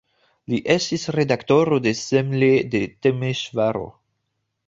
Li estis redaktoro de "Szemle" de Temeŝvaro.